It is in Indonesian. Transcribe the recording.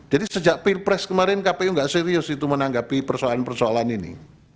jadi sejak pilpres kemarin kpu enggak serius itu menanggapi persoalan persoalan ini